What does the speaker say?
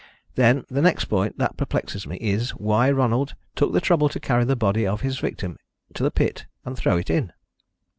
Then, the next point that perplexes me is why Ronald took the trouble to carry the body of his victim to the pit and throw it in."